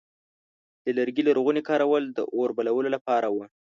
د لرګي لرغونی کارول د اور بلولو لپاره و.